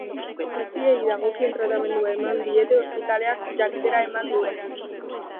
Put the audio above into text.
Guztiei dagokien tratamendua eman diete, ospitaleak jakitera eman duenez.